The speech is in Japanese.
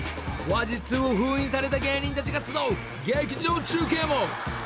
話術を封印された芸人たちが集う劇場中継も。